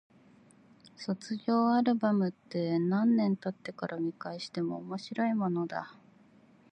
卒業アルバムって、何年経ってから見返しても面白いものだ。